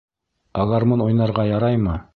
Ә гармун уйнарға яраймы?